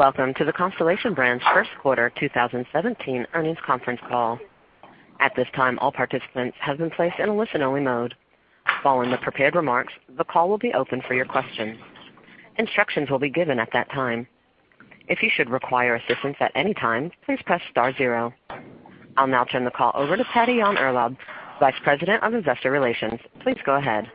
Welcome to the Constellation Brands first quarter 2017 earnings conference call. At this time, all participants have been placed in a listen-only mode. Following the prepared remarks, the call will be open for your questions. Instructions will be given at that time. If you should require assistance at any time, please press star zero. I'll now turn the call over to Patty Yahn-Urlaub, Vice President of Investor Relations. Please go ahead.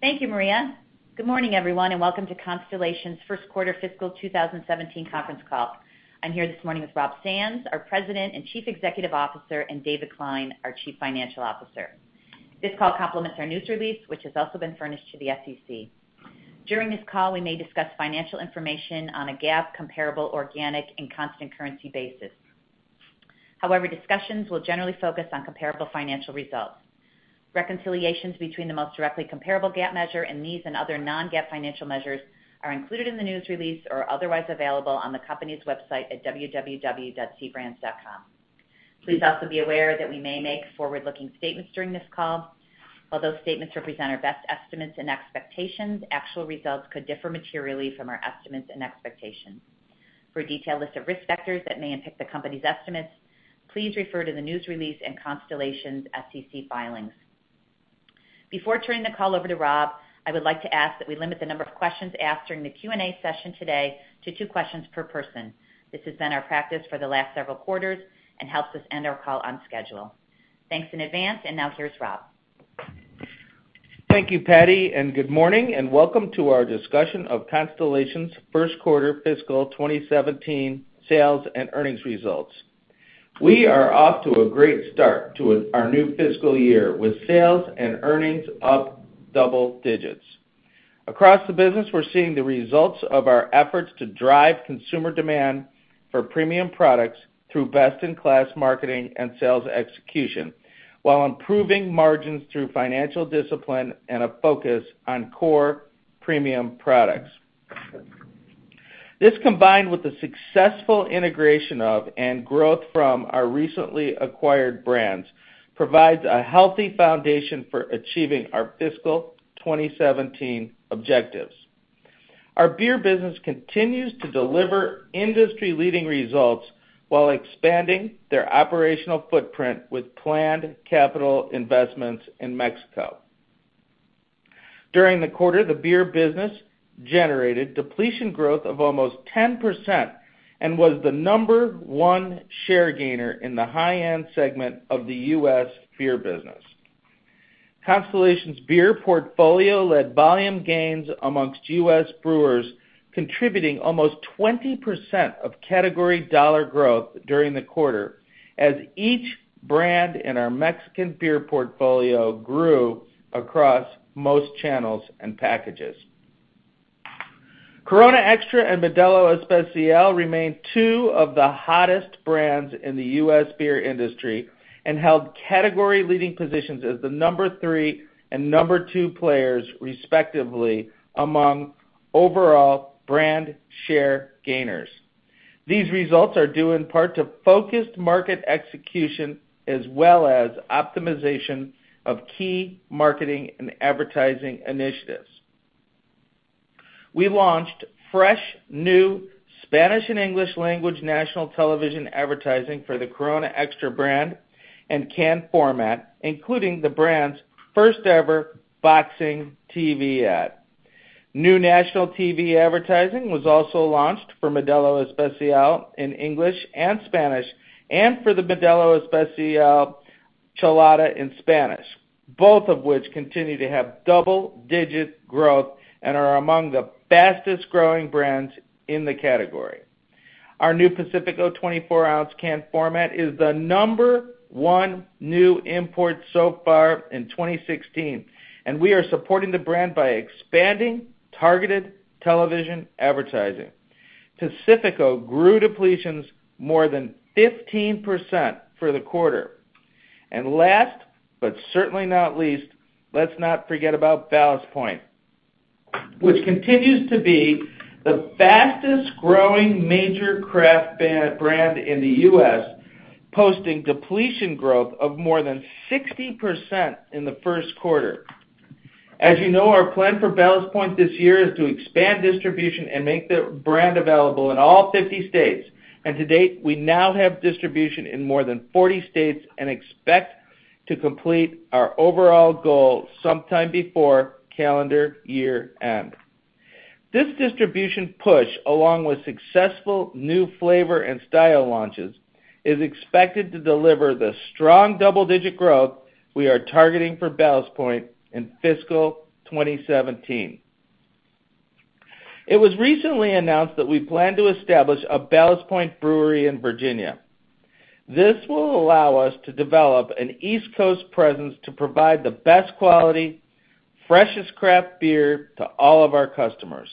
Thank you, Maria. Good morning, everyone, and welcome to Constellation's first quarter fiscal 2017 conference call. I'm here this morning with Rob Sands, our President and Chief Executive Officer, and David Klein, our Chief Financial Officer. This call complements our news release, which has also been furnished to the SEC. During this call, we may discuss financial information on a GAAP comparable organic and constant currency basis. Discussions will generally focus on comparable financial results. Reconciliations between the most directly comparable GAAP measure and these and other non-GAAP financial measures are included in the news release or are otherwise available on the company's website at www.cbrands.com. Please also be aware that we may make forward-looking statements during this call. While those statements represent our best estimates and expectations, actual results could differ materially from our estimates and expectations. For a detailed list of risk factors that may impact the company's estimates, please refer to the news release and Constellation's SEC filings. Before turning the call over to Rob, I would like to ask that we limit the number of questions asked during the Q&A session today to two questions per person. This has been our practice for the last several quarters and helps us end our call on schedule. Thanks in advance. Now here's Rob. Thank you, Patty. Good morning and welcome to our discussion of Constellation's first quarter fiscal 2017 sales and earnings results. We are off to a great start to our new fiscal year, with sales and earnings up double digits. Across the business, we're seeing the results of our efforts to drive consumer demand for premium products through best-in-class marketing and sales execution, while improving margins through financial discipline and a focus on core premium products. This, combined with the successful integration of and growth from our recently acquired brands, provides a healthy foundation for achieving our fiscal 2017 objectives. Our beer business continues to deliver industry-leading results while expanding their operational footprint with planned capital investments in Mexico. During the quarter, the beer business generated depletion growth of almost 10% and was the number one share gainer in the high-end segment of the U.S. beer business. Constellation's beer portfolio led volume gains amongst U.S. brewers, contributing almost 20% of category dollar growth during the quarter as each brand in our Mexican beer portfolio grew across most channels and packages. Corona Extra and Modelo Especial remain two of the hottest brands in the U.S. beer industry and held category-leading positions as the number 3 and number 2 players respectively among overall brand share gainers. These results are due in part to focused market execution as well as optimization of key marketing and advertising initiatives. We launched fresh, new Spanish and English language national television advertising for the Corona Extra brand and can format, including the brand's first-ever boxing TV ad. New national TV advertising was also launched for Modelo Especial in English and Spanish and for the Modelo Chelada Especial in Spanish, both of which continue to have double-digit growth and are among the fastest-growing brands in the category. Our new Pacifico 24-ounce can format is the number 1 new import so far in 2016, and we are supporting the brand by expanding targeted television advertising. Pacifico grew depletions more than 15% for the quarter. Last, but certainly not least, let's not forget about Ballast Point, which continues to be the fastest-growing major craft brand in the U.S., posting depletion growth of more than 60% in the first quarter. As you know, our plan for Ballast Point this year is to expand distribution and make the brand available in all 50 states. To date, we now have distribution in more than 40 states and expect to complete our overall goal sometime before calendar year end. This distribution push, along with successful new flavor and style launches, is expected to deliver the strong double-digit growth we are targeting for Ballast Point in fiscal 2017. It was recently announced that we plan to establish a Ballast Point brewery in Virginia. This will allow us to develop an East Coast presence to provide the best quality, freshest craft beer to all of our customers.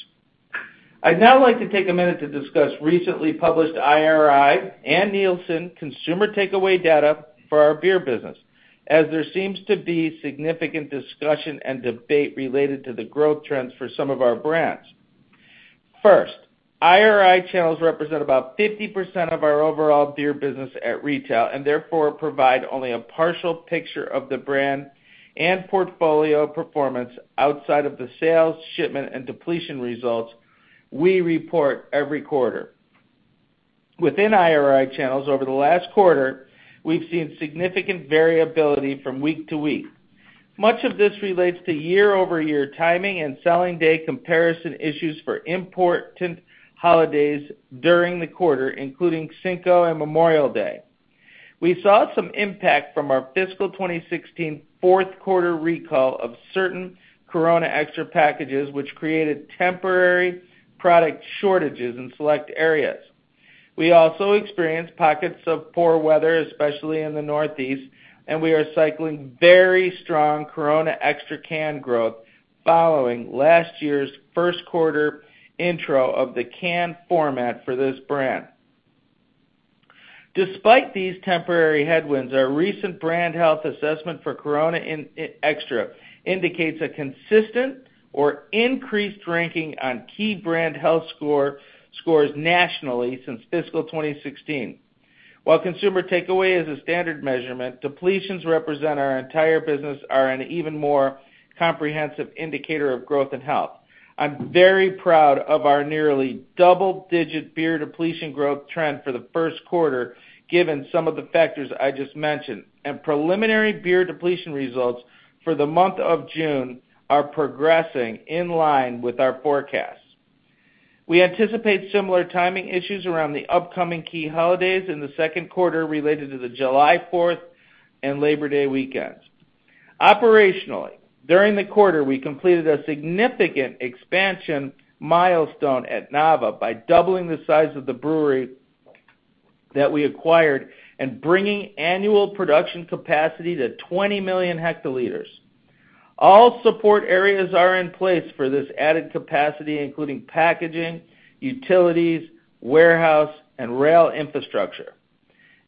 I'd now like to take a minute to discuss recently published IRI and Nielsen consumer takeaway data for our beer business, as there seems to be significant discussion and debate related to the growth trends for some of our brands. First, IRI channels represent about 50% of our overall beer business at retail, and therefore provide only a partial picture of the brand and portfolio performance outside of the sales, shipment, and depletion results we report every quarter. Within IRI channels over the last quarter, we've seen significant variability from week to week. Much of this relates to year-over-year timing and selling day comparison issues for important holidays during the quarter, including Cinco and Memorial Day. We saw some impact from our fiscal 2016 fourth quarter recall of certain Corona Extra packages, which created temporary product shortages in select areas. We also experienced pockets of poor weather, especially in the Northeast, and we are cycling very strong Corona Extra can growth following last year's first quarter intro of the can format for this brand. Despite these temporary headwinds, our recent brand health assessment for Corona Extra indicates a consistent or increased ranking on key brand health scores nationally since fiscal 2016. While consumer takeaway is a standard measurement, depletions represent our entire business are an even more comprehensive indicator of growth and health. I'm very proud of our nearly double-digit beer depletion growth trend for the first quarter, given some of the factors I just mentioned, and preliminary beer depletion results for the month of June are progressing in line with our forecasts. We anticipate similar timing issues around the upcoming key holidays in the second quarter related to the July 4th and Labor Day weekends. Operationally, during the quarter, we completed a significant expansion milestone at Nava by doubling the size of the brewery that we acquired and bringing annual production capacity to 20 million hectoliters. All support areas are in place for this added capacity, including packaging, utilities, warehouse, and rail infrastructure.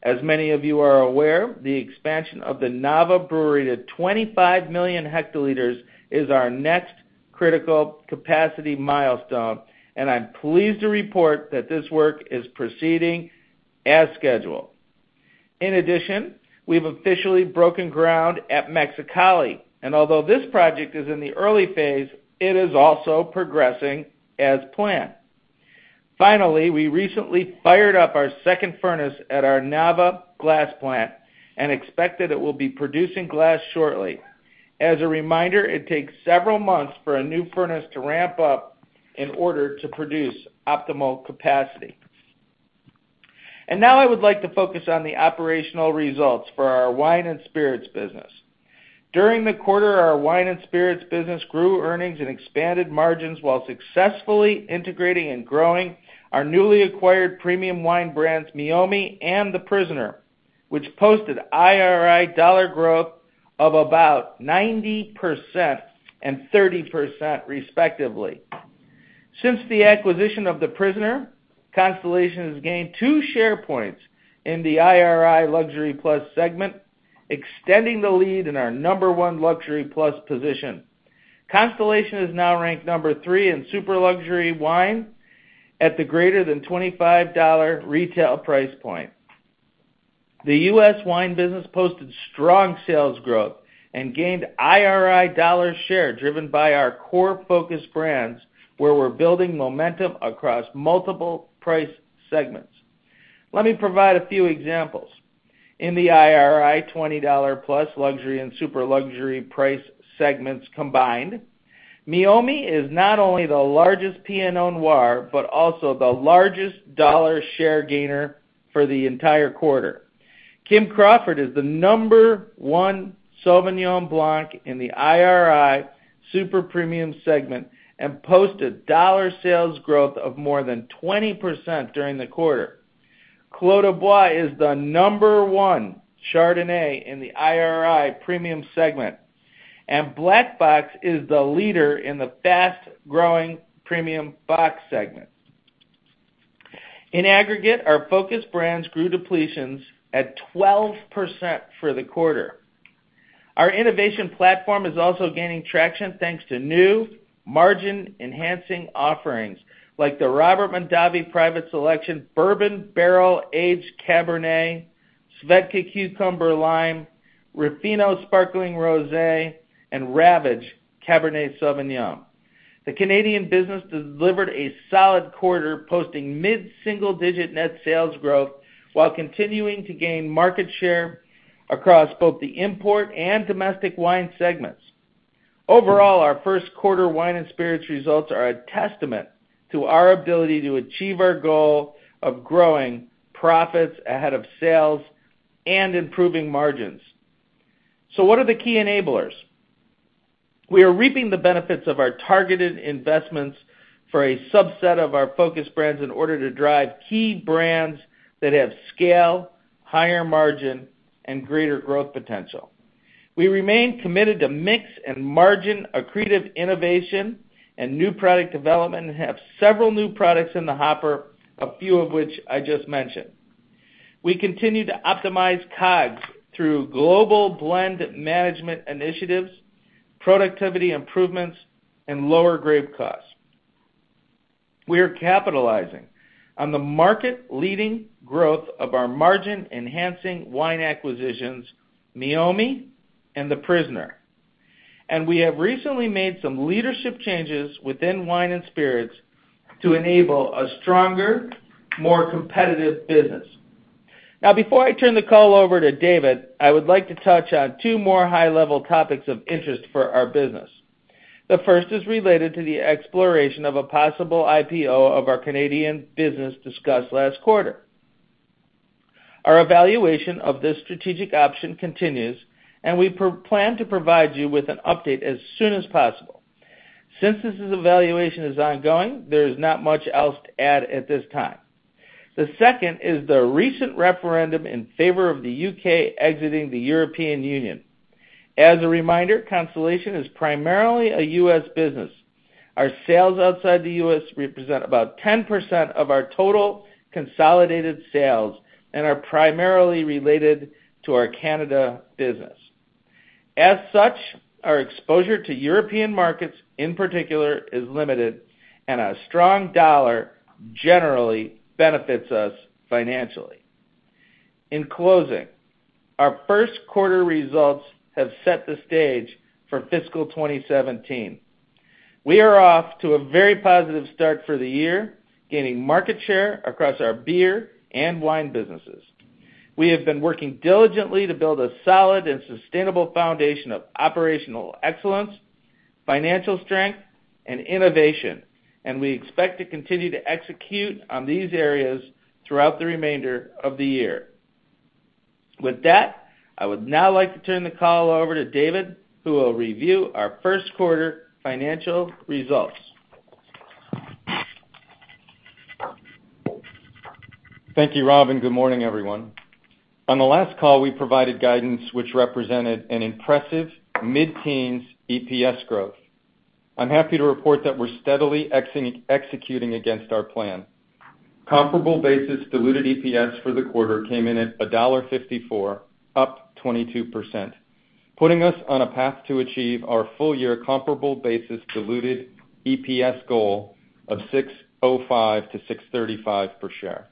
As many of you are aware, the expansion of the Nava brewery to 25 million hectoliters is our next critical capacity milestone, and I'm pleased to report that this work is proceeding as scheduled. In addition, we've officially broken ground at Mexicali, and although this project is in the early phase, it is also progressing as planned. Finally, we recently fired up our second furnace at our Nava glass plant and expect that it will be producing glass shortly. As a reminder, it takes several months for a new furnace to ramp up in order to produce optimal capacity. Now I would like to focus on the operational results for our wine and spirits business. During the quarter, our wine and spirits business grew earnings and expanded margins while successfully integrating and growing our newly acquired premium wine brands, Meiomi and The Prisoner, which posted IRI dollar growth of about 90% and 30%, respectively. Since the acquisition of The Prisoner, Constellation has gained two share points in the IRI Luxury Plus segment, extending the lead in our number one luxury plus position. Constellation is now ranked number three in super luxury wine at the greater than $25 retail price point. The U.S. wine business posted strong sales growth and gained IRI dollar share, driven by our core focus brands, where we're building momentum across multiple price segments. Let me provide a few examples. In the IRI $20 plus luxury and super luxury price segments combined, Meiomi is not only the largest Pinot Noir, but also the largest dollar share gainer for the entire quarter. Kim Crawford is the number one Sauvignon Blanc in the IRI super premium segment and posted dollar sales growth of more than 20% during the quarter. Clos du Bois is the number one Chardonnay in the IRI premium segment, and Black Box is the leader in the fast-growing premium box segment. In aggregate, our focus brands grew depletions at 12% for the quarter. Our innovation platform is also gaining traction, thanks to new margin-enhancing offerings like the Robert Mondavi Private Selection Bourbon Barrel-Aged Cabernet, Svedka Cucumber Lime, Ruffino Sparkling Rosé, and Ravage Cabernet Sauvignon. The Canadian business delivered a solid quarter, posting mid-single-digit net sales growth while continuing to gain market share across both the import and domestic wine segments. Overall, our first quarter wine and spirits results are a testament to our ability to achieve our goal of growing profits ahead of sales and improving margins. What are the key enablers? We are reaping the benefits of our targeted investments for a subset of our focus brands in order to drive key brands that have scale, higher margin, and greater growth potential. We remain committed to mix and margin-accretive innovation and new product development and have several new products in the hopper, a few of which I just mentioned. We continue to optimize COGS through global blend management initiatives, productivity improvements, and lower grape costs. We are capitalizing on the market-leading growth of our margin-enhancing wine acquisitions, Meiomi and The Prisoner. We have recently made some leadership changes within wine and spirits to enable a stronger, more competitive business. Before I turn the call over to David, I would like to touch on two more high-level topics of interest for our business. The first is related to the exploration of a possible IPO of our Canadian business discussed last quarter. Our evaluation of this strategic option continues, and we plan to provide you with an update as soon as possible. Since this evaluation is ongoing, there is not much else to add at this time. The second is the recent referendum in favor of the U.K. exiting the European Union. As a reminder, Constellation is primarily a U.S. business. Our sales outside the U.S. represent about 10% of our total consolidated sales and are primarily related to our Canada business. As such, our exposure to European markets, in particular, is limited, and a strong dollar generally benefits us financially. In closing, our first quarter results have set the stage for fiscal 2017. We are off to a very positive start for the year, gaining market share across our beer and wine businesses. We have been working diligently to build a solid and sustainable foundation of operational excellence, financial strength, and innovation, and we expect to continue to execute on these areas throughout the remainder of the year. With that, I would now like to turn the call over to David, who will review our first quarter financial results. Thank you, Rob, and good morning, everyone. On the last call, we provided guidance which represented an impressive mid-teens EPS growth. I'm happy to report that we're steadily executing against our plan. Comparable basis diluted EPS for the quarter came in at $1.54, up 22%, putting us on a path to achieve our full-year comparable basis diluted EPS goal of $6.05-$6.35 per share.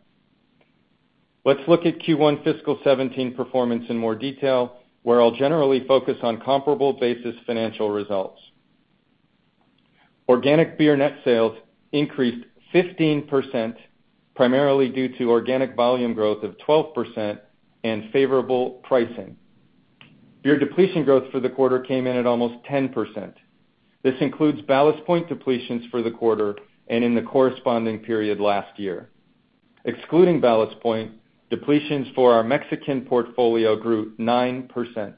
Let's look at Q1 fiscal 2017 performance in more detail, where I'll generally focus on comparable basis financial results. Organic beer net sales increased 15%, primarily due to organic volume growth of 12% and favorable pricing. Beer depletion growth for the quarter came in at almost 10%. This includes Ballast Point depletions for the quarter and in the corresponding period last year. Excluding Ballast Point, depletions for our Mexican portfolio grew 9%.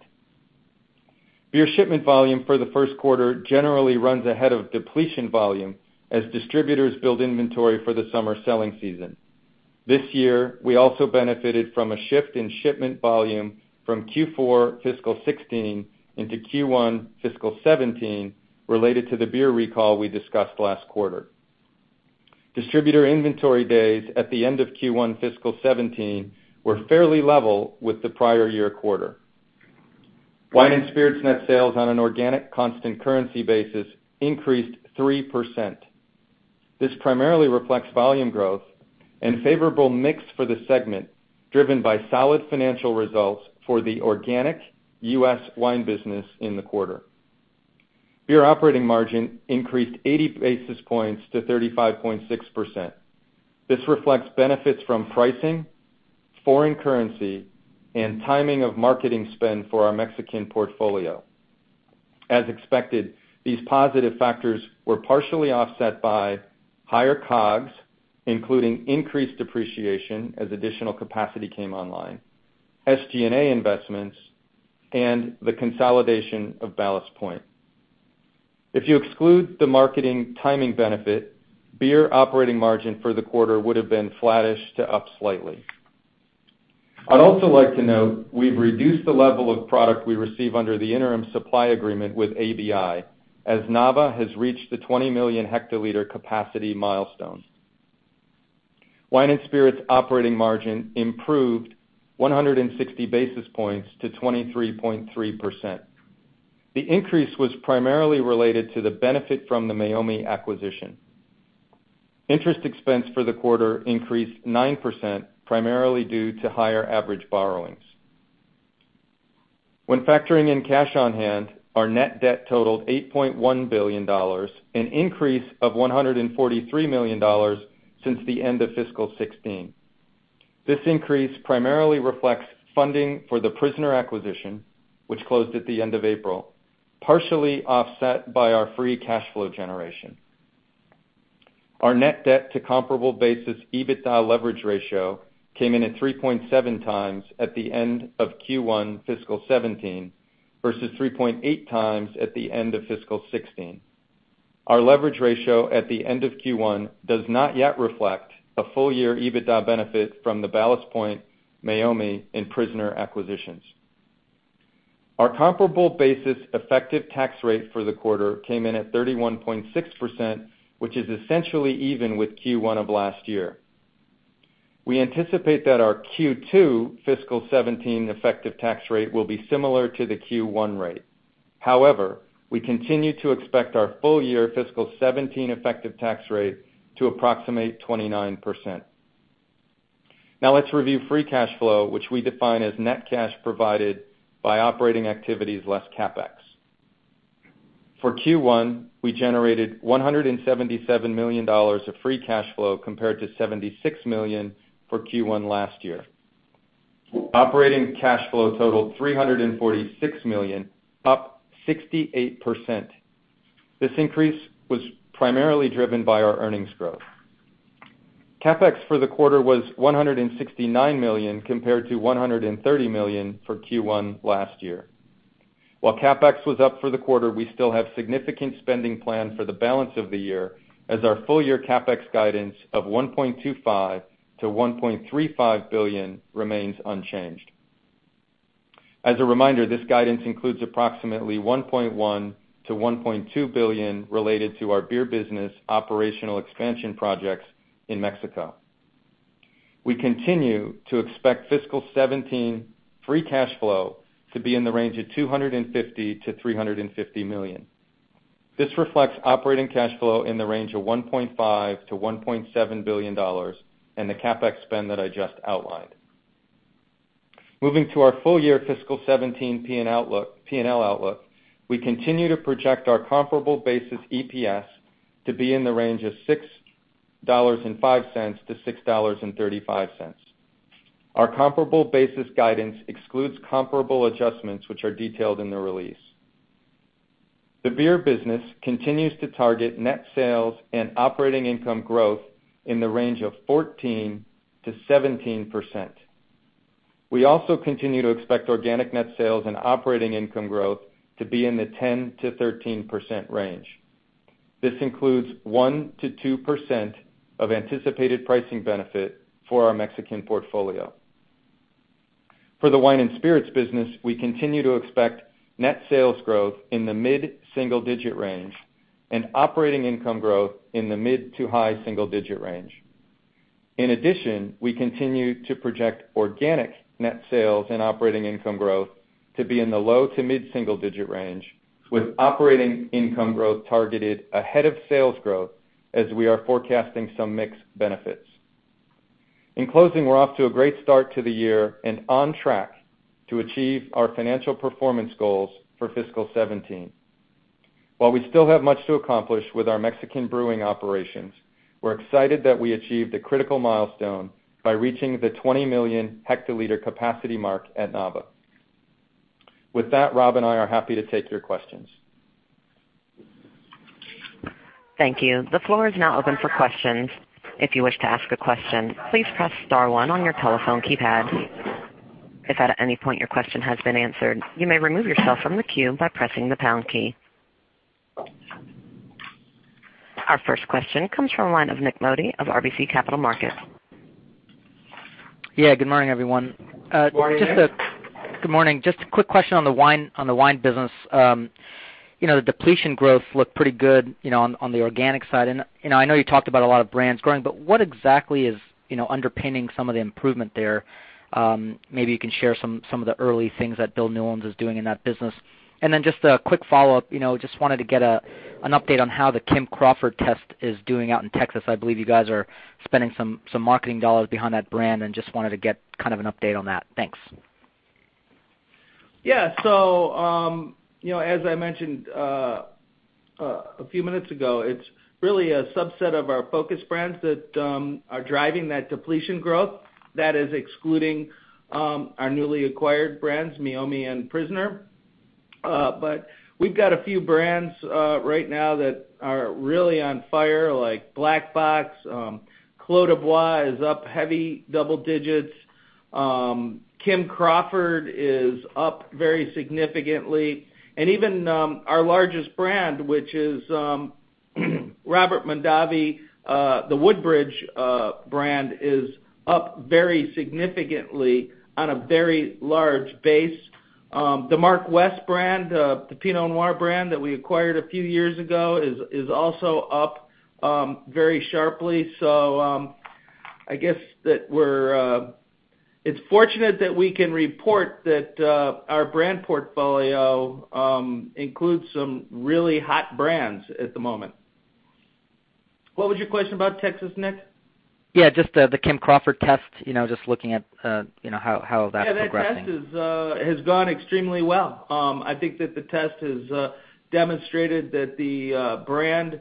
Beer shipment volume for the first quarter generally runs ahead of depletion volume as distributors build inventory for the summer selling season. This year, we also benefited from a shift in shipment volume from Q4 fiscal 2016 into Q1 fiscal 2017 related to the beer recall we discussed last quarter. Distributor inventory days at the end of Q1 fiscal 2017 were fairly level with the prior year quarter. Wine and spirits net sales on an organic constant currency basis increased 3%. This primarily reflects volume growth and favorable mix for the segment, driven by solid financial results for the organic U.S. wine business in the quarter. Beer operating margin increased 80 basis points to 35.6%. This reflects benefits from pricing, foreign currency, and timing of marketing spend for our Mexican portfolio. Expected, these positive factors were partially offset by higher COGS, including increased depreciation as additional capacity came online, SG&A investments, and the consolidation of Ballast Point. If you exclude the marketing timing benefit, beer operating margin for the quarter would have been flattish to up slightly. I'd also like to note we've reduced the level of product we receive under the interim supply agreement with ABI, as Nava has reached the 20 million hectoliters capacity milestone. Wine and spirits operating margin improved 160 basis points to 23.3%. The increase was primarily related to the benefit from the Meiomi acquisition. Interest expense for the quarter increased 9%, primarily due to higher average borrowings. When factoring in cash on hand, our net debt totaled $8.1 billion, an increase of $143 million since the end of fiscal 2016. This increase primarily reflects funding for The Prisoner acquisition, which closed at the end of April, partially offset by our free cash flow generation. Our net debt to comparable basis EBITDA leverage ratio came in at 3.7 times at the end of Q1 fiscal 2017 versus 3.8 times at the end of fiscal 2016. Our leverage ratio at the end of Q1 does not yet reflect a full-year EBITDA benefit from the Ballast Point, Meiomi, and The Prisoner acquisitions. Our comparable basis effective tax rate for the quarter came in at 31.6%, which is essentially even with Q1 of last year. We anticipate that our Q2 fiscal 2017 effective tax rate will be similar to the Q1 rate. However, we continue to expect our full-year fiscal 2017 effective tax rate to approximate 29%. Let's review free cash flow, which we define as net cash provided by operating activities less CapEx. For Q1, we generated $177 million of free cash flow compared to $76 million for Q1 last year. Operating cash flow totaled $346 million, up 68%. This increase was primarily driven by our earnings growth. CapEx for the quarter was $169 million, compared to $130 million for Q1 last year. While CapEx was up for the quarter, we still have significant spending planned for the balance of the year, as our full-year CapEx guidance of $1.25 billion-$1.35 billion remains unchanged. As a reminder, this guidance includes approximately $1.1 billion-$1.2 billion related to our beer business operational expansion projects in Mexico. We continue to expect fiscal 2017 free cash flow to be in the range of $250 million-$350 million. This reflects operating cash flow in the range of $1.5 billion-$1.7 billion, and the CapEx spend that I just outlined. Moving to our full-year fiscal 2017 P&L outlook, we continue to project our comparable basis EPS to be in the range of $6.05 to $6.35. Our comparable basis guidance excludes comparable adjustments which are detailed in the release. The beer business continues to target net sales and operating income growth in the range of 14%-17%. We also continue to expect organic net sales and operating income growth to be in the 10%-13% range. This includes 1%-2% of anticipated pricing benefit for our Mexican portfolio. For the wine and spirits business, we continue to expect net sales growth in the mid-single digit range and operating income growth in the mid to high single-digit range. We continue to project organic net sales and operating income growth to be in the low to mid-single digit range, with operating income growth targeted ahead of sales growth as we are forecasting some mix benefits. In closing, we're off to a great start to the year and on track to achieve our financial performance goals for fiscal 2017. While we still have much to accomplish with our Mexican brewing operations, we're excited that we achieved a critical milestone by reaching the 20 million hectoliters capacity mark at Nava. With that, Rob and I are happy to take your questions. Thank you. The floor is now open for questions. If you wish to ask a question, please press star 1 on your telephone keypad. If at any point your question has been answered, you may remove yourself from the queue by pressing the pound key. Our first question comes from the line of Nik Modi of RBC Capital Markets. Good morning, everyone. Morning, Nik. Good morning. Just a quick question on the wine business. The depletion growth looked pretty good on the organic side, I know you talked about a lot of brands growing, but what exactly is underpinning some of the improvement there? Maybe you can share some of the early things that Bill Newlands is doing in that business. Just a quick follow-up, just wanted to get an update on how the Kim Crawford test is doing out in Texas. I believe you guys are spending some marketing dollars behind that brand, and just wanted to get kind of an update on that. Thanks. Yeah. As I mentioned a few minutes ago, it's really a subset of our focus brands that are driving that depletion growth. That is excluding our newly acquired brands, Meiomi and Prisoner. We've got a few brands right now that are really on fire, like Black Box. Clos du Bois is up heavy double digits. Kim Crawford is up very significantly. Even our largest brand, which is Robert Mondavi, the Woodbridge brand, is up very significantly on a very large base. The Mark West brand, the Pinot Noir brand that we acquired a few years ago, is also up very sharply. I guess that it's fortunate that we can report that our brand portfolio includes some really hot brands at the moment. What was your question about Texas, Nik? Yeah, just the Kim Crawford test, just looking at how that's progressing. Yeah, that test has gone extremely well. I think that the test has demonstrated that the brand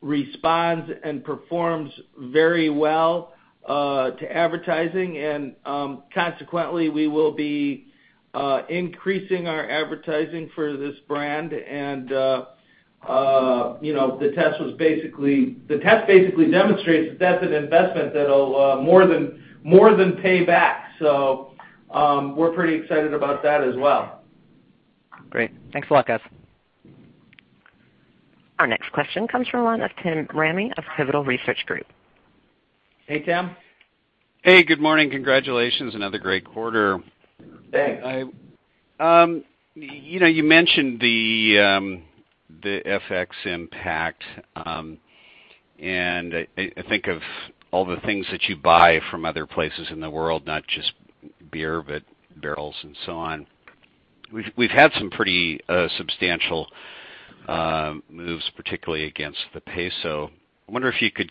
responds and performs very well to advertising, and consequently, we will be increasing our advertising for this brand. The test basically demonstrates that that's an investment that'll more than pay back. We're pretty excited about that as well. Great. Thanks a lot, guys. Our next question comes from the line of Tim Ramey of Pivotal Research Group. Hey, Tim. Hey, good morning. Congratulations. Another great quarter. Thanks. You mentioned the FX impact. I think of all the things that you buy from other places in the world, not just beer, but barrels and so on. We've had some pretty substantial moves, particularly against the peso. I wonder if you could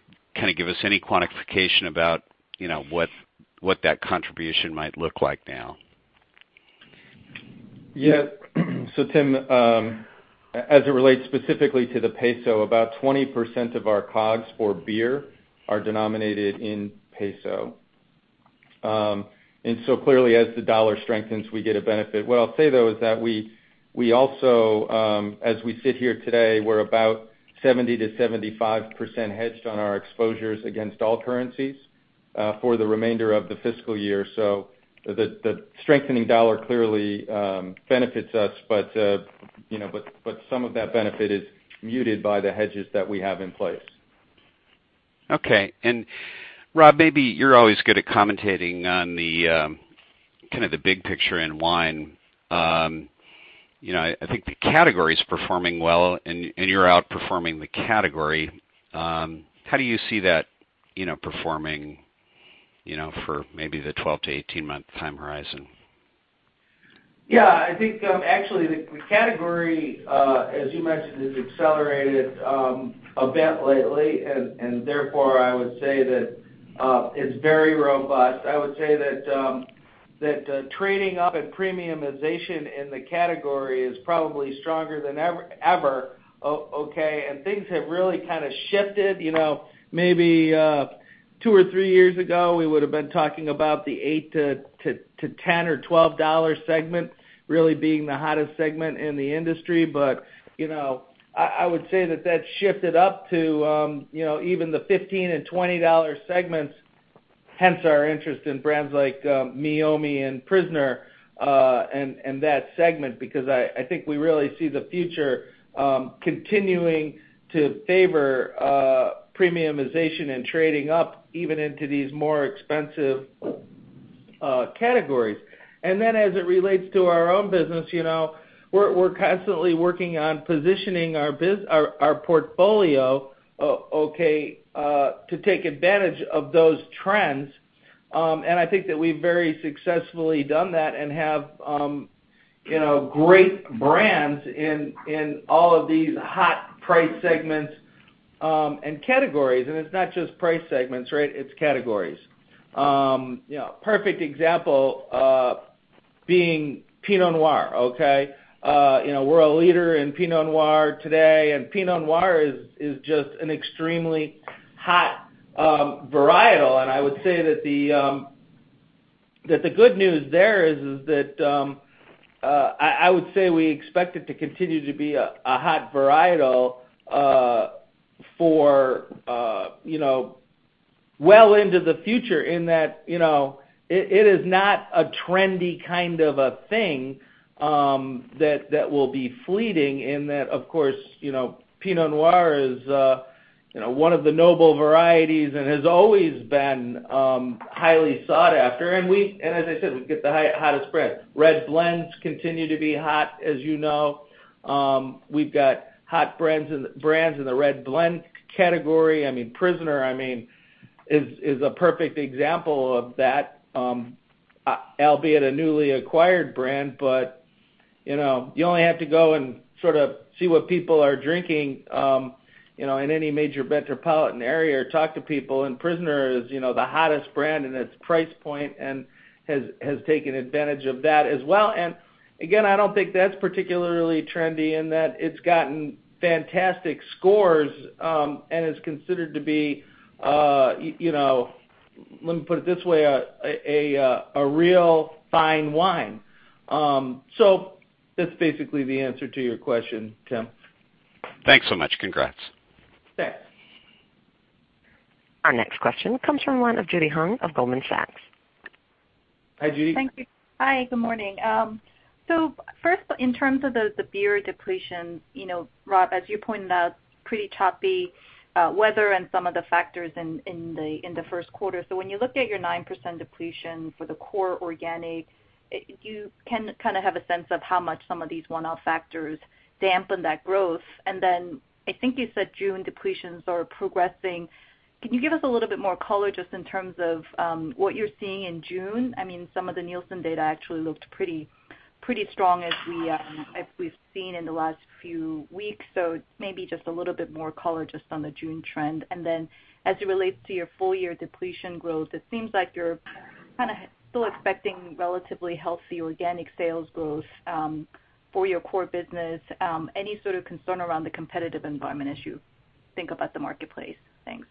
give us any quantification about what that contribution might look like now. Tim, as it relates specifically to the peso, about 20% of our COGS for beer are denominated in peso. Clearly as the dollar strengthens, we get a benefit. What I'll say though is that we also, as we sit here today, we're about 70%-75% hedged on our exposures against all currencies for the remainder of the fiscal year. The strengthening dollar clearly benefits us, but some of that benefit is muted by the hedges that we have in place. Rob, maybe you're always good at commentating on the big picture in wine. I think the category's performing well, and you're outperforming the category. How do you see that performing for maybe the 12 to 18-month time horizon? I think, actually, the category, as you mentioned, has accelerated a bit lately. Therefore, I would say that it's very robust. I would say that trading up and premiumization in the category is probably stronger than ever. Things have really shifted. Maybe two or three years ago, we would've been talking about the $8 to $10 or $12 segment really being the hottest segment in the industry. I would say that that's shifted up to even the $15 and $20 segments, hence our interest in brands like Meiomi and The Prisoner, and that segment, because I think we really see the future continuing to favor premiumization and trading up even into these more expensive categories. As it relates to our own business, we're constantly working on positioning our portfolio to take advantage of those trends. I think that we've very successfully done that and have great brands in all of these hot price segments and categories. It's not just price segments, right? It's categories. Perfect example, being Pinot Noir. We're a leader in Pinot Noir today, and Pinot Noir is just an extremely hot varietal. I would say that the good news there is that, I would say we expect it to continue to be a hot varietal for well into the future in that it is not a trendy kind of a thing that will be fleeting in that, of course, Pinot Noir is one of the noble varieties and has always been highly sought after. As I said, we've got the hottest brand. Red blends continue to be hot, as you know. We've got hot brands in the red blend category. The Prisoner is a perfect example of that, albeit a newly acquired brand. You only have to go and sort of see what people are drinking in any major metropolitan area or talk to people, and The Prisoner is the hottest brand in its price point and has taken advantage of that as well. Again, I don't think that's particularly trendy in that it's gotten fantastic scores, and is considered to be, let me put it this way, a real fine wine. That's basically the answer to your question, Tim. Thanks so much. Congrats. Thanks. Our next question comes from one of Judy Hong of Goldman Sachs. Hi, Judy. Thank you. Hi, good morning. First, in terms of the beer depletion, Rob, as you pointed out, pretty choppy weather and some of the factors in the first quarter. When you looked at your 9% depletion for the core organic, you can kind of have a sense of how much some of these one-off factors dampened that growth. Then I think you said June depletions are progressing. Can you give us a little bit more color just in terms of what you're seeing in June? Some of the Nielsen data actually looked pretty strong as we've seen in the last few weeks. Maybe just a little bit more color just on the June trend. Then as it relates to your full-year depletion growth, it seems like you're kind of still expecting relatively healthy organic sales growth for your core business. Any sort of concern around the competitive environment as you think about the marketplace? Thanks.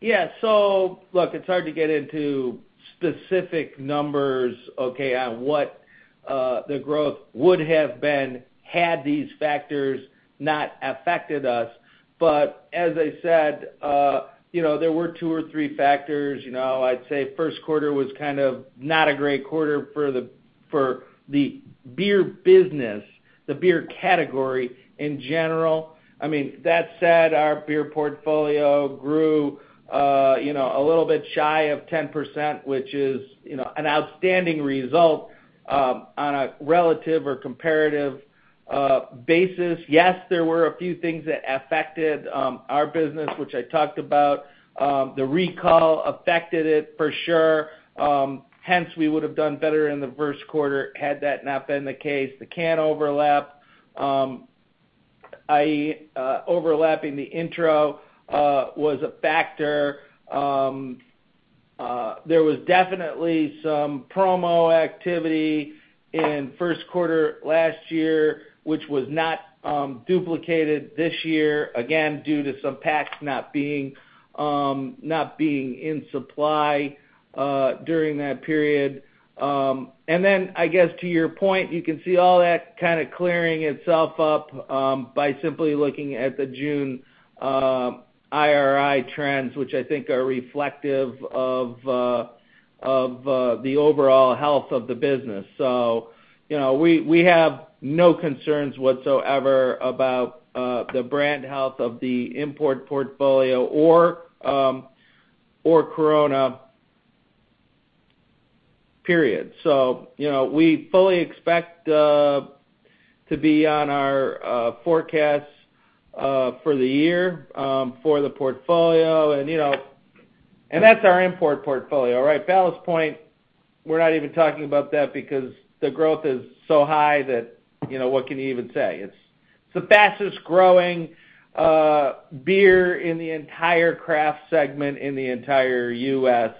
Yeah. Look, it's hard to get into specific numbers, okay, on what the growth would have been had these factors not affected us. As I said, there were two or three factors. I'd say first quarter was kind of not a great quarter for the beer business, the beer category in general. That said, our beer portfolio grew a little bit shy of 10%, which is an outstanding result on a relative or comparative basis. Yes, there were a few things that affected our business, which I talked about. The recall affected it for sure. Hence, we would've done better in the first quarter had that not been the case. The can overlap I.e., overlapping the intro was a factor. There was definitely some promo activity in first quarter last year, which was not duplicated this year, again, due to some packs not being in supply during that period. I guess to your point, you can see all that kind of clearing itself up by simply looking at the June IRI trends, which I think are reflective of the overall health of the business. We have no concerns whatsoever about the brand health of the import portfolio or Corona, period. We fully expect to be on our forecasts for the year for the portfolio and that's our import portfolio, right? Ballast Point, we're not even talking about that because the growth is so high that what can you even say? It's the fastest-growing beer in the entire craft segment in the entire U.S.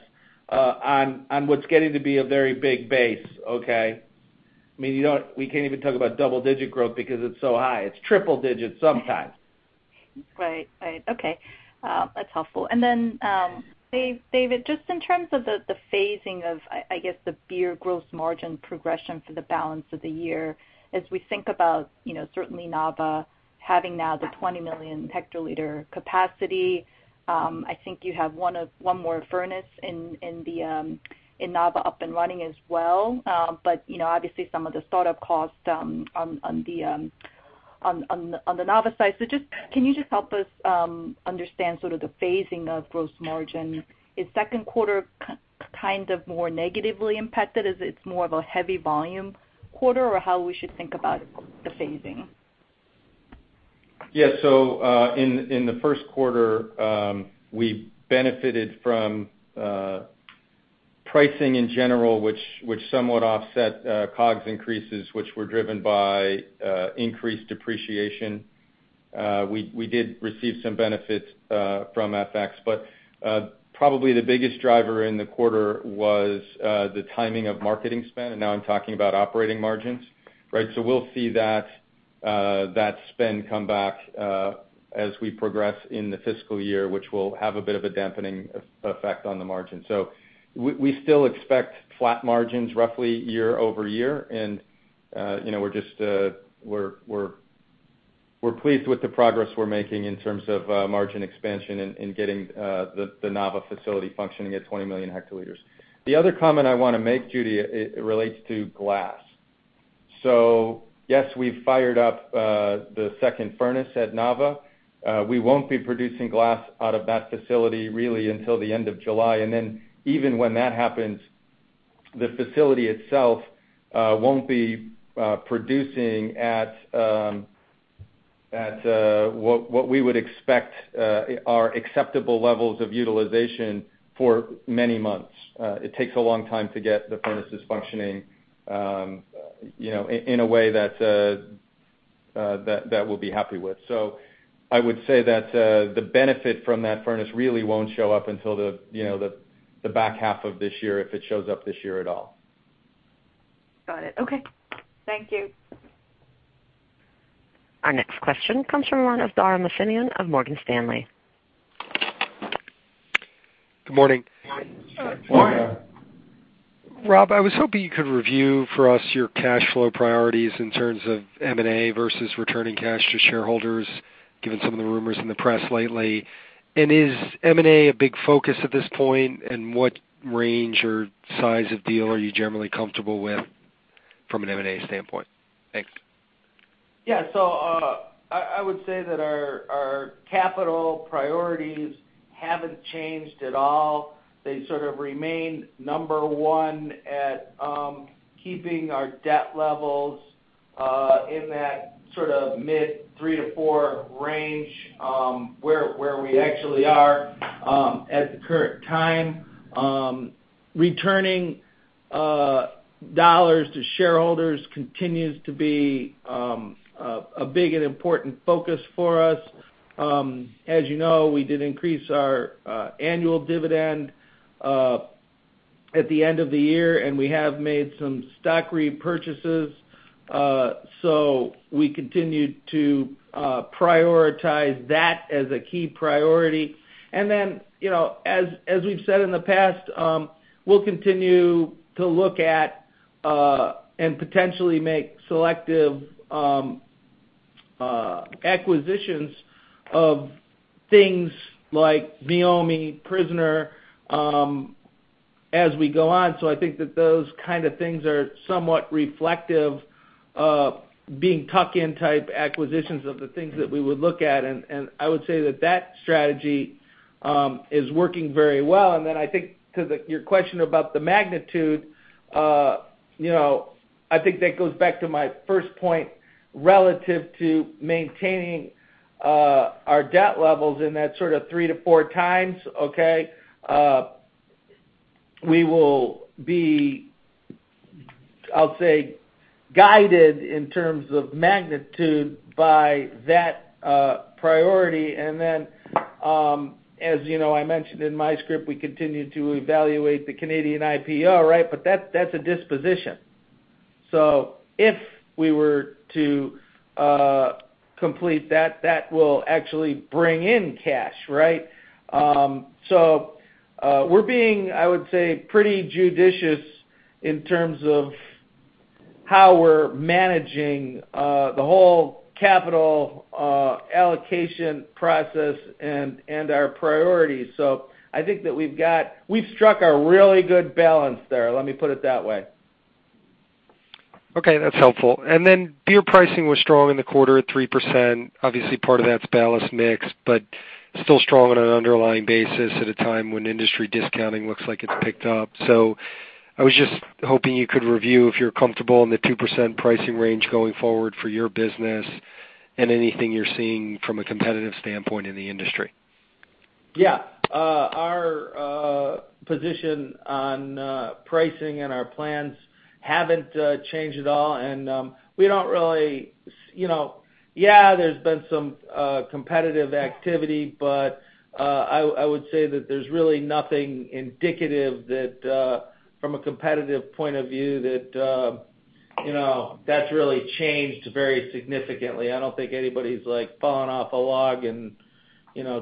on what's getting to be a very big base, okay? We can't even talk about double-digit growth because it's so high. It's triple digits sometimes. Right. Okay. That's helpful. David, just in terms of the phasing of, I guess, the beer gross margin progression for the balance of the year, as we think about certainly Nava having now the 20 million hectoliter capacity, I think you have one more furnace in Nava up and running as well. Obviously some of the startup costs on the Nava side. Can you just help us understand sort of the phasing of gross margin? Is second quarter kind of more negatively impacted as it's more of a heavy volume quarter, or how we should think about the phasing? In the first quarter, we benefited from pricing in general, which somewhat offset COGS increases, which were driven by increased depreciation. We did receive some benefits from FX, probably the biggest driver in the quarter was the timing of marketing spend, and now I'm talking about operating margins, right? We'll see that spend come back as we progress in the fiscal year, which will have a bit of a dampening effect on the margin. We still expect flat margins roughly year-over-year. We're pleased with the progress we're making in terms of margin expansion and getting the Nava facility functioning at 20 million hectoliters. The other comment I want to make, Judy, it relates to glass. Yes, we've fired up the second furnace at Nava. We won't be producing glass out of that facility really until the end of July. Even when that happens, the facility itself won't be producing at what we would expect are acceptable levels of utilization for many months. It takes a long time to get the furnaces functioning in a way that we'll be happy with. I would say that the benefit from that furnace really won't show up until the back half of this year, if it shows up this year at all. Got it. Okay. Thank you. Our next question comes from the line of Dara Mohsenian of Morgan Stanley. Good morning. Morning. Morning. Rob, I was hoping you could review for us your cash flow priorities in terms of M&A versus returning cash to shareholders, given some of the rumors in the press lately. Is M&A a big focus at this point, and what range or size of deal are you generally comfortable with from an M&A standpoint? Thanks. Yeah. I would say that our capital priorities haven't changed at all. They sort of remain number one at keeping our debt levels in that sort of mid three to four range, where we actually are at the current time. Returning dollars to shareholders continues to be a big and important focus for us. As you know, we did increase our annual dividend at the end of the year, and we have made some stock repurchases. We continue to prioritize that as a key priority. As we've said in the past, we'll continue to look at and potentially make selective acquisitions of things like Meiomi, Prisoner as we go on. I think that those kind of things are somewhat reflective of being tuck-in type acquisitions of the things that we would look at, and I would say that that strategy is working very well. I think to your question about the magnitude, I think that goes back to my first point relative to maintaining our debt levels in that sort of three to four times, okay? We will be I'll say, guided in terms of magnitude by that priority. As I mentioned in my script, we continue to evaluate the Canadian IPO, that's a disposition. If we were to complete that will actually bring in cash. We're being, I would say, pretty judicious in terms of how we're managing the whole capital allocation process and our priorities. I think that we've struck a really good balance there, let me put it that way. Okay, that's helpful. Beer pricing was strong in the quarter at 3%. Obviously, part of that's Ballast mix, still strong on an underlying basis at a time when industry discounting looks like it's picked up. I was just hoping you could review if you're comfortable in the 2% pricing range going forward for your business and anything you're seeing from a competitive standpoint in the industry. Yeah. Our position on pricing and our plans haven't changed at all. Yeah, there's been some competitive activity, I would say that there's really nothing indicative that from a competitive point of view, that's really changed very significantly. I don't think anybody's falling off a log and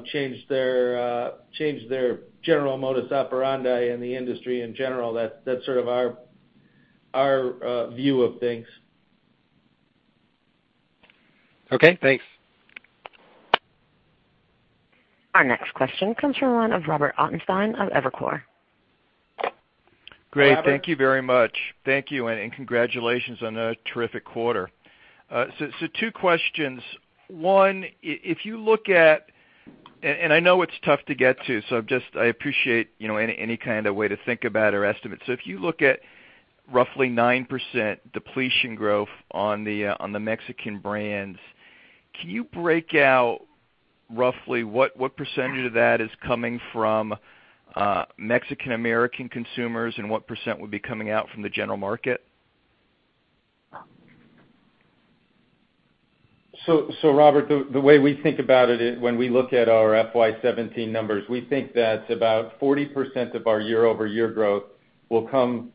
changed their general modus operandi in the industry in general. That's sort of our view of things. Okay, thanks. Our next question comes from the line of Robert Ottenstein of Evercore. Robert. Great. Thank you very much. Thank you, and congratulations on a terrific quarter. Two questions. One, if you look at, and I know it's tough to get to, I appreciate any kind of way to think about or estimate. If you look at roughly 9% depletion growth on the Mexican brands, can you break out roughly what % of that is coming from Mexican American consumers, and what % would be coming out from the general market? Robert, the way we think about it when we look at our FY 2017 numbers, we think that about 40% of our year-over-year growth will come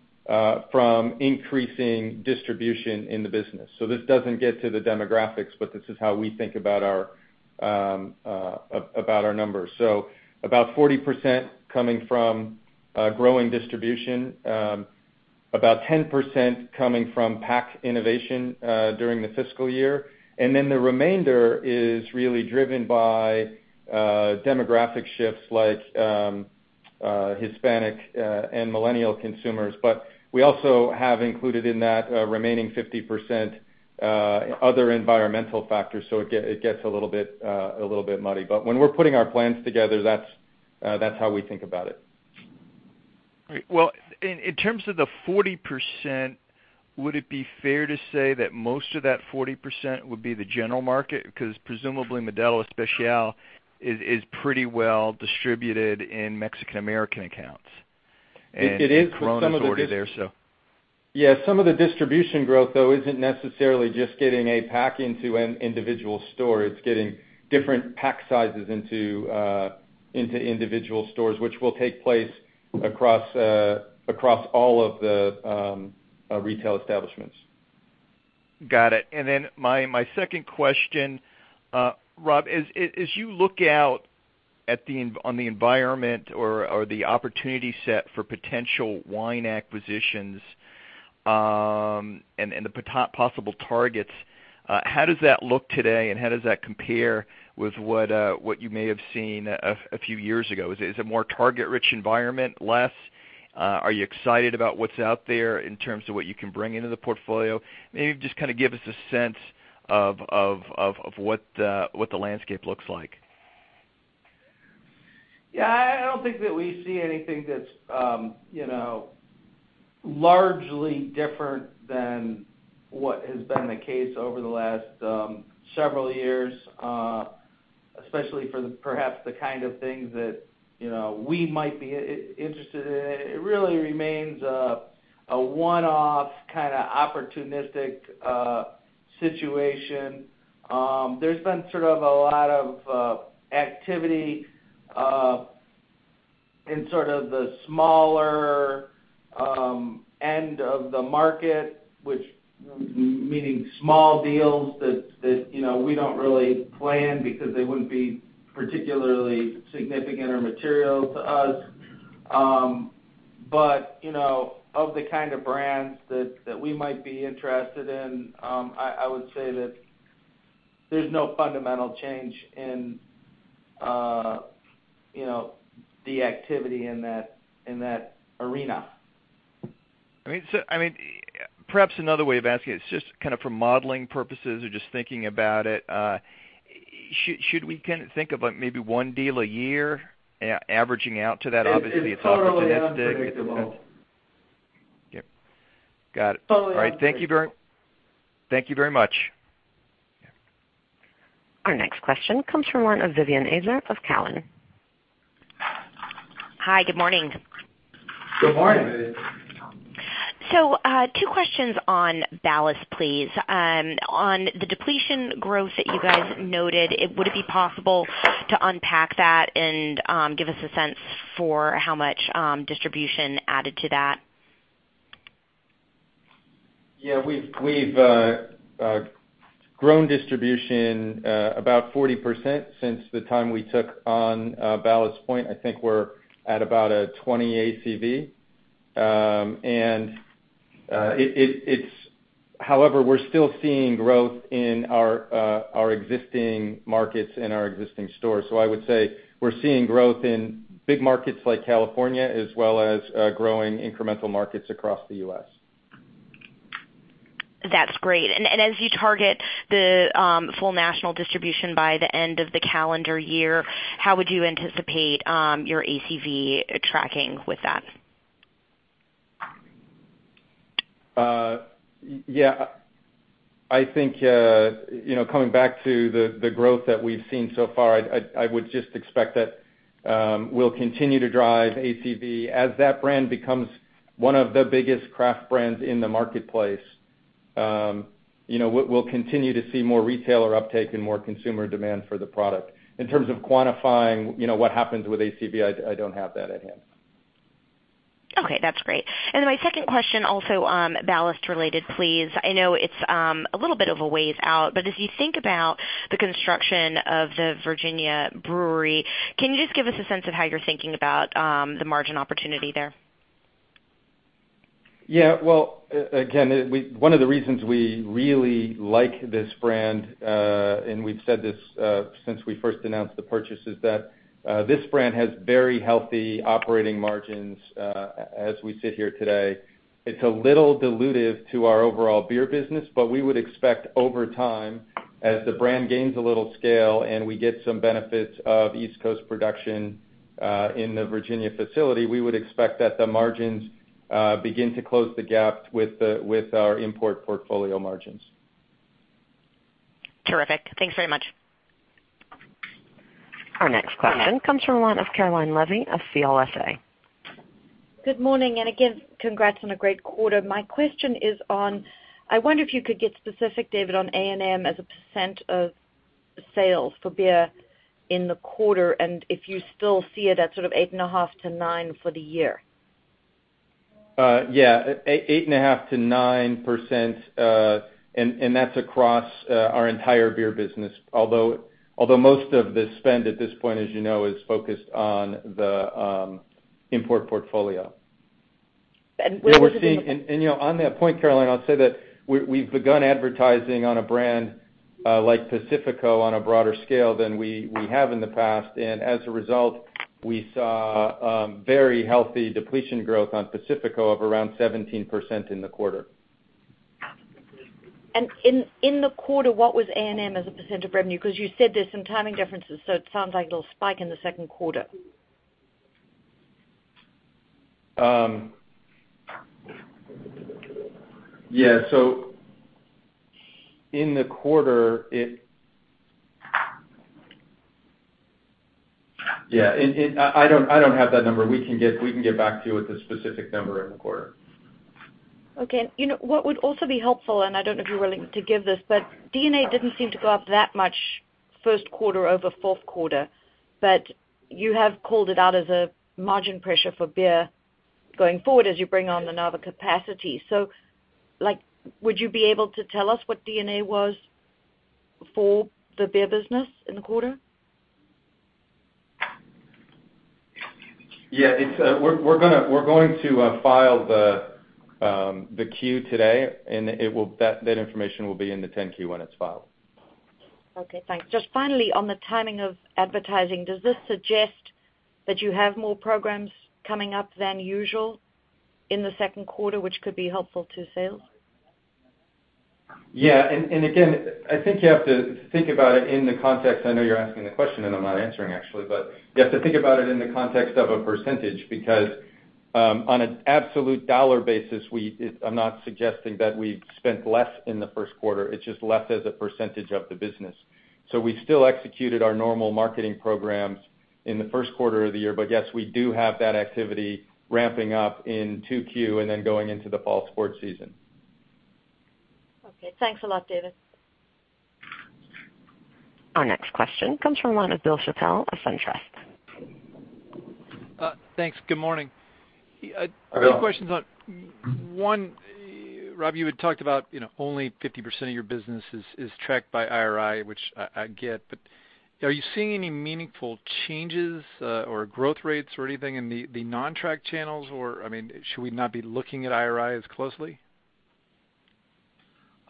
from increasing distribution in the business. This doesn't get to the demographics, but this is how we think about our numbers. About 40% coming from growing distribution, about 10% coming from pack innovation, during the fiscal year. The remainder is really driven by demographic shifts like Hispanic, and millennial consumers. We also have included in that remaining 50%, other environmental factors. It gets a little bit muddy. When we're putting our plans together, that's how we think about it. Great. In terms of the 40%, would it be fair to say that most of that 40% would be the general market? Because presumably Modelo Especial is pretty well distributed in Mexican American accounts. It is. Corona's already there. Yeah. Some of the distribution growth, though, isn't necessarily just getting a pack into an individual store. It's getting different pack sizes into individual stores, which will take place across all of the retail establishments. Got it. Then my second question, Rob, as you look out on the environment or the opportunity set for potential wine acquisitions, and the possible targets, how does that look today, and how does that compare with what you may have seen a few years ago? Is it a more target-rich environment? Less? Are you excited about what's out there in terms of what you can bring into the portfolio? Maybe just give us a sense of what the landscape looks like. Yeah, I don't think that we see anything that's largely different than what has been the case over the last several years, especially for perhaps the kind of things that we might be interested in. It really remains a one-off, opportunistic situation. There's been sort of a lot of activity in sort of the smaller end of the market, meaning small deals that we don't really plan because they wouldn't be particularly significant or material to us. But of the kind of brands that we might be interested in, I would say that there's no fundamental change in the activity in that arena. Perhaps another way of asking it, just kind of for modeling purposes or just thinking about it, should we think of maybe one deal a year averaging out to that? Obviously, it's opportunistic. It's totally unpredictable. Yep. Got it. Totally unpredictable. All right. Thank you very much. Our next question comes from the line of Vivien Azer of Cowen. Hi, good morning. Good morning. Two questions on Ballast, please. On the depletion growth that you guys noted, would it be possible to unpack that and give us a sense for how much distribution added to that? Yeah. We've grown distribution about 40% since the time we took on Ballast Point. I think we're at about a 20 ACV. However, we're still seeing growth in our existing markets and our existing stores. I would say we're seeing growth in big markets like California, as well as growing incremental markets across the U.S. That's great. As you target the full national distribution by the end of the calendar year, how would you anticipate your ACV tracking with that? Yeah. I think, coming back to the growth that we've seen so far, I would just expect that we'll continue to drive ACV. As that brand becomes one of the biggest craft brands in the marketplace, we'll continue to see more retailer uptake and more consumer demand for the product. In terms of quantifying what happens with ACV, I don't have that at hand. Okay, that's great. My second question, also Ballast related, please. I know it's a little bit of a ways out, but as you think about the construction of the Virginia brewery, can you just give us a sense of how you're thinking about the margin opportunity there? Yeah. Well, again, one of the reasons we really like this brand, and we've said this since we first announced the purchase, is that this brand has very healthy operating margins as we sit here today. It's a little dilutive to our overall beer business, but we would expect over time, as the brand gains a little scale and we get some benefits of East Coast production in the Virginia facility, we would expect that the margins begin to close the gap with our import portfolio margins. Terrific. Thanks very much. Our next question comes from the line of Caroline Levy of CLSA. Good morning, and again, congrats on a great quarter. My question is on, I wonder if you could get specific, David, on A&M as a % of sales for beer in the quarter, and if you still see it at sort of 8.5% to 9% for the year. Yeah. 8.5% to 9%, that's across our entire beer business. Most of the spend at this point, as you know, is focused on the import portfolio. What was it in the- On that point, Caroline, I'll say that we've begun advertising on a brand like Pacifico on a broader scale than we have in the past. As a result, we saw a very healthy depletion growth on Pacifico of around 17% in the quarter. In the quarter, what was A&M as a percent of revenue? You said there's some timing differences, so it sounds like it'll spike in the second quarter. In the quarter, I don't have that number. We can get back to you with the specific number in the quarter. What would also be helpful, I don't know if you're willing to give this, D&A didn't seem to go up that much first quarter over fourth quarter. You have called it out as a margin pressure for beer going forward as you bring on the Nava capacity. Would you be able to tell us what D&A was for the beer business in the quarter? Yeah. We're going to file the Q today, and that information will be in the 10-Q when it's filed. Okay, thanks. Just finally, on the timing of advertising, does this suggest that you have more programs coming up than usual in the second quarter, which could be helpful to sales? Yeah. Again, I think you have to think about it. I know you're asking the question, and I'm not answering, actually, but you have to think about it in the context of a percentage, because, on an absolute dollar basis, I'm not suggesting that we've spent less in the first quarter. It's just less as a percentage of the business. We still executed our normal marketing programs in the first quarter of the year. Yes, we do have that activity ramping up in 2Q and then going into the fall sports season. Okay. Thanks a lot, David. Our next question comes from the line of Bill Chappell of SunTrust. Thanks. Good morning. Good morning. One, Rob, you had talked about only 50% of your business is tracked by IRI, which I get, but are you seeing any meaningful changes or growth rates or anything in the non-track channels? Or should we not be looking at IRI as closely?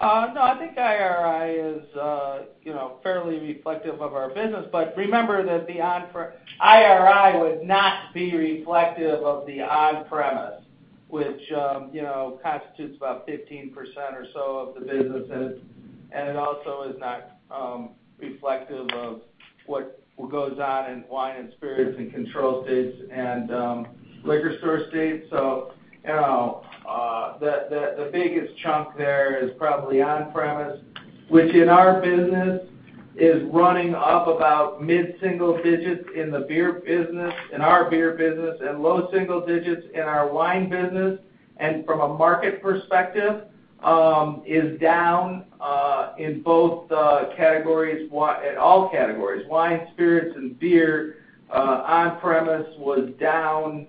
No, I think IRI is fairly reflective of our business. Remember that IRI would not be reflective of the on-premise, which constitutes about 15% or so of the business. It also is not reflective What goes on in wine and spirits in controlled states and liquor store states. The biggest chunk there is probably on-premise, which in our business is running up about mid-single digits in our beer business, and low single digits in our wine business. From a market perspective, is down in all categories. Wine, spirits, and beer on-premise was down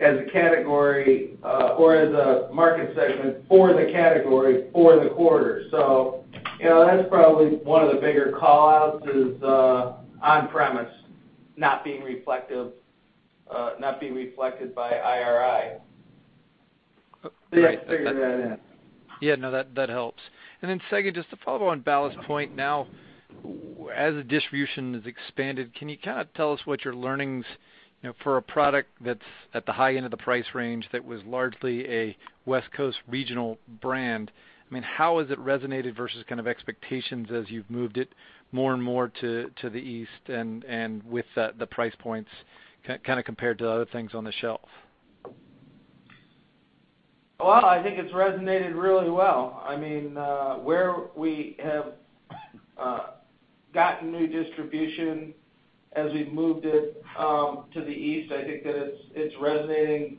as a category, or as a market segment for the category for the quarter. That's probably one of the bigger call-outs is on-premise not being reflected by IRI. Right. They gotta figure that in. Yeah, no, that helps. Then second, just to follow on Ballast Point now, as the distribution has expanded, can you kind of tell us what you're learning for a product that's at the high end of the price range that was largely a West Coast regional brand? How has it resonated versus kind of expectations as you've moved it more and more to the east, and with the price points kind of compared to other things on the shelf? Well, I think it's resonated really well. Where we have gotten new distribution as we've moved it to the east, I think that it's resonating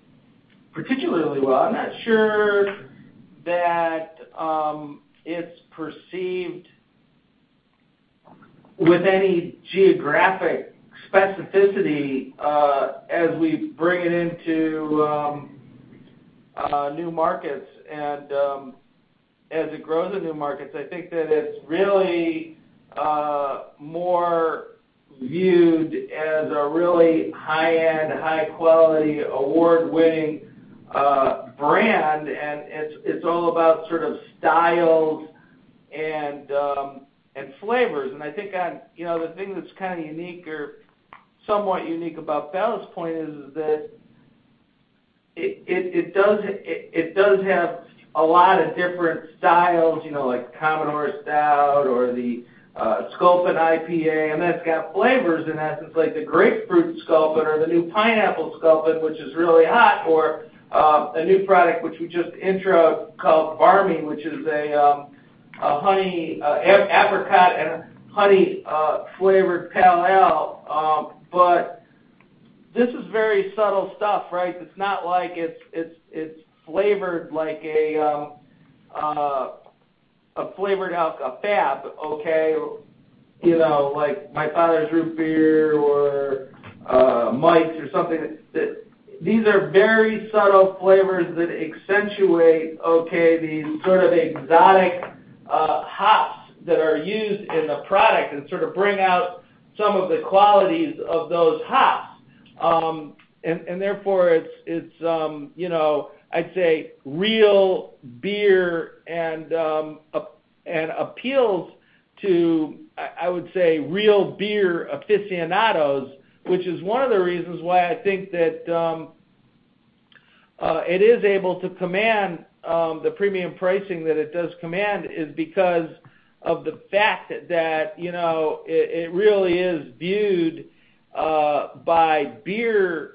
particularly well. I'm not sure that it's perceived with any geographic specificity as we bring it into new markets. As it grows in new markets, I think that it's really more viewed as a really high-end, high quality, award-winning brand. It's all about sort of styles and flavors. I think the thing that's kind of unique or somewhat unique about Ballast Point is that it does have a lot of different styles, like Commodore Stout or the Sculpin IPA, and that's got flavors in that. It's like the Grapefruit Sculpin or the new Pineapple Sculpin, which is really hot. Or a new product which we just intro called Barmy, which is a apricot and honey-flavored pale ale. This is very subtle stuff, right? It's not like it's flavored like a flavored alcoholic, a FAB, okay? Like Not Your Father's Root Beer or Mike's or something. These are very subtle flavors that accentuate, okay, these sort of exotic hops that are used in the product and sort of bring out some of the qualities of those hops. Therefore it's, I'd say real beer and appeals to, I would say real beer aficionados, which is one of the reasons why I think that it is able to command the premium pricing that it does command is because of the fact that it really is viewed by beer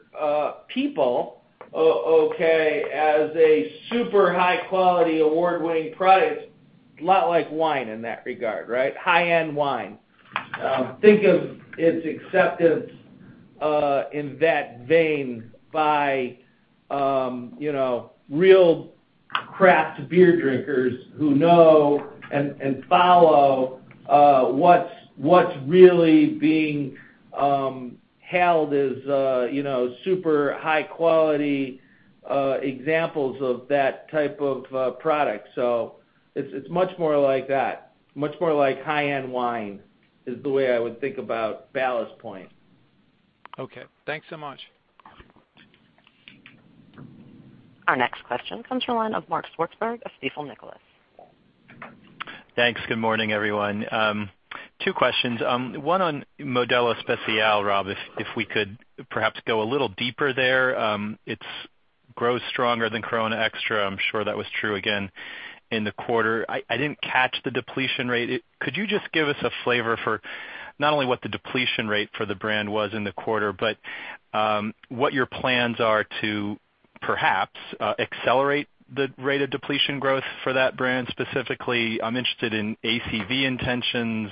people, okay, as a super high quality award-winning product. A lot like wine in that regard, right? High-end wine. Think of its acceptance in that vein by real craft beer drinkers who know and follow what's really being held as super high quality examples of that type of product. It's much more like that, much more like high-end wine is the way I would think about Ballast Point. Okay. Thanks so much. Our next question comes from the line of Mark Swartzberg of Stifel Nicolaus. Thanks. Good morning, everyone. Two questions. One on Modelo Especial, Rob, if we could perhaps go a little deeper there. Its growth stronger than Corona Extra. I'm sure that was true again in the quarter. I didn't catch the depletion rate. Could you just give us a flavor for not only what the depletion rate for the brand was in the quarter, but what your plans are to perhaps accelerate the rate of depletion growth for that brand specifically? I'm interested in ACV intentions,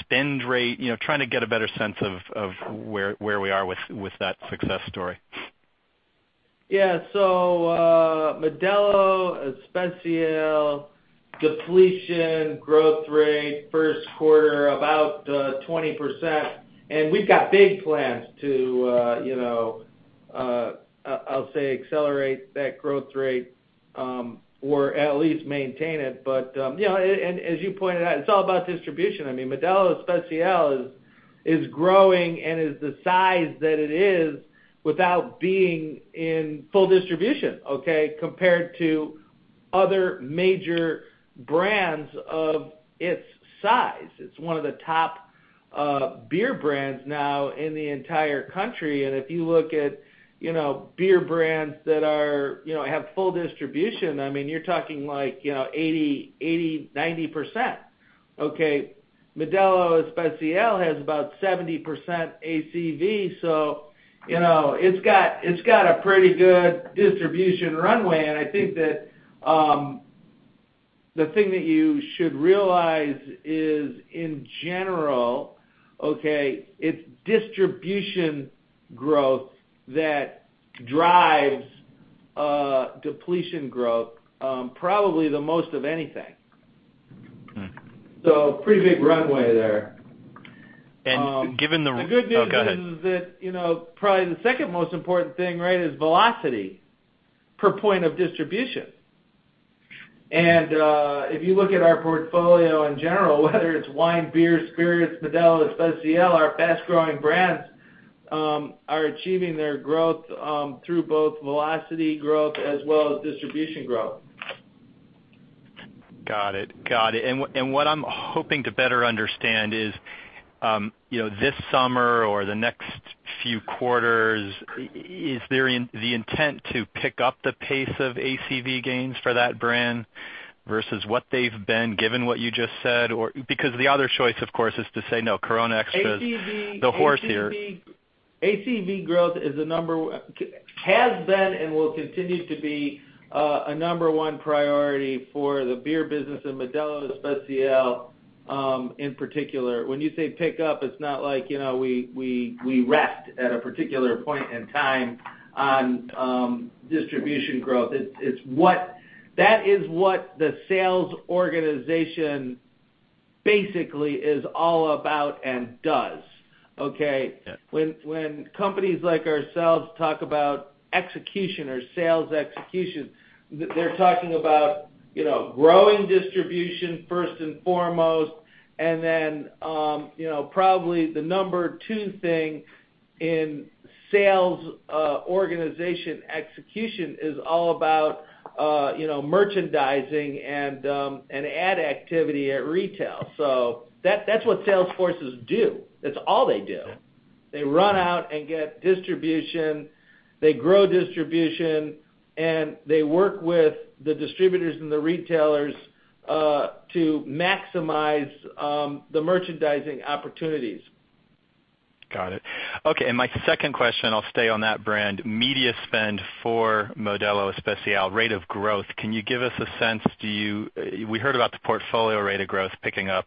spend rate, trying to get a better sense of where we are with that success story. Yeah. Modelo Especial depletion growth rate first quarter, about 20%. We've got big plans to I'll say accelerate that growth rate, or at least maintain it. As you pointed out, it's all about distribution. Modelo Especial is growing and is the size that it is without being in full distribution, okay? Compared to other major brands of its size. It's one of the top Beer brands now in the entire country, if you look at beer brands that have full distribution, you're talking 80%, 90%. Okay. Modelo Especial has about 70% ACV, it's got a pretty good distribution runway. I think that the thing that you should realize is, in general, okay, it's distribution growth that drives depletion growth probably the most of anything. All right. Pretty big runway there. Oh, go ahead. The good news is that probably the second most important thing is velocity per point of distribution. If you look at our portfolio in general, whether it's wine, beer, spirits, Modelo Especial, our fast-growing brands are achieving their growth through both velocity growth as well as distribution growth. Got it. What I'm hoping to better understand is, this summer or the next few quarters, is the intent to pick up the pace of ACV gains for that brand versus what they've been, given what you just said, or because the other choice, of course, is to say no, Corona Extra's the horse here. ACV growth has been and will continue to be a number one priority for the beer business in Modelo Especial, in particular. When you say pick up, it's not like we rest at a particular point in time on distribution growth. That is what the sales organization basically is all about and does. Okay? Yes. When companies like ourselves talk about execution or sales execution, they're talking about growing distribution first and foremost, and then probably the number 2 thing in sales organization execution is all about merchandising and ad activity at retail. That's what sales forces do. That's all they do. Yeah. They run out and get distribution, they grow distribution, and they work with the distributors and the retailers to maximize the merchandising opportunities. Got it. Okay, my second question, I'll stay on that brand. Media spend for Modelo Especial rate of growth. Can you give us a sense? We heard about the portfolio rate of growth picking up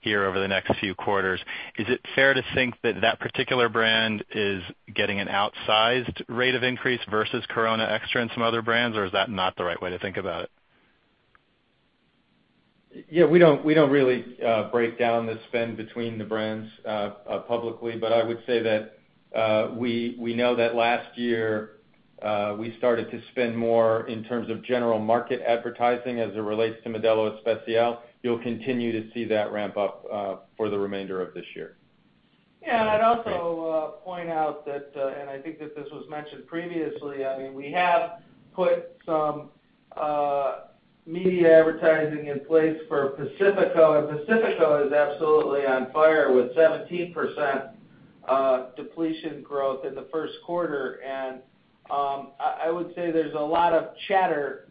here over the next few quarters. Is it fair to think that that particular brand is getting an outsized rate of increase versus Corona Extra and some other brands, or is that not the right way to think about it? Yeah, we don't really break down the spend between the brands publicly, I would say that we know that last year we started to spend more in terms of general market advertising as it relates to Modelo Especial. You'll continue to see that ramp up for the remainder of this year. I'd also point out that, I think that this was mentioned previously, we have put some media advertising in place for Pacifico, and Pacifico is absolutely on fire with 17% depletion growth in the first quarter. I would say we're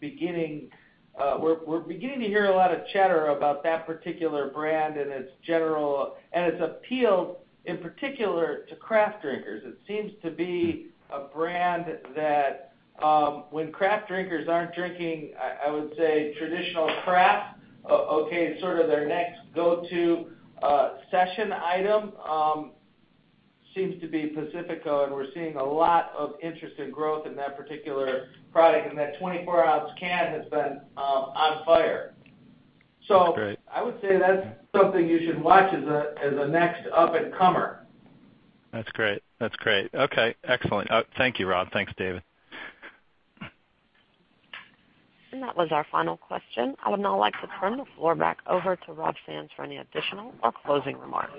beginning to hear a lot of chatter about that particular brand and its appeal, in particular, to craft drinkers. It seems to be a brand that when craft drinkers aren't drinking, I would say traditional craft, okay, sort of their next go-to session item seems to be Pacifico, and we're seeing a lot of interest and growth in that particular product, and that 24 ounce can has been on fire. Great. I would say that's something you should watch as a next up-and-comer. That's great. Okay, excellent. Thank you, Rob. Thanks, David. That was our final question. I would now like to turn the floor back over to Rob Sands for any additional or closing remarks.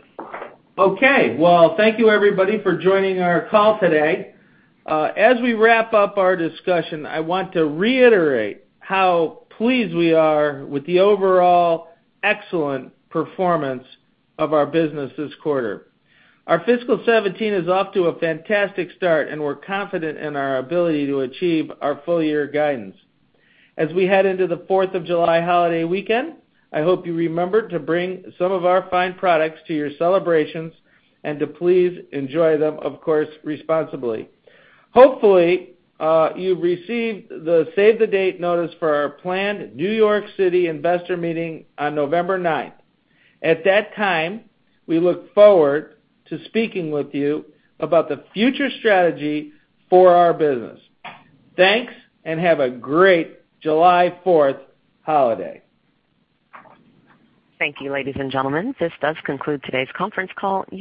Okay. Well, thank you, everybody, for joining our call today. As we wrap up our discussion, I want to reiterate how pleased we are with the overall excellent performance of our business this quarter. Our fiscal 2017 is off to a fantastic start, and we're confident in our ability to achieve our full year guidance. As we head into the 4th of July holiday weekend, I hope you remember to bring some of our fine products to your celebrations and to please enjoy them, of course, responsibly. Hopefully, you've received the save the date notice for our planned New York City investor meeting on November 9th. At that time, we look forward to speaking with you about the future strategy for our business. Thanks, and have a great July 4th holiday. Thank you, ladies and gentlemen. This does conclude today's conference call.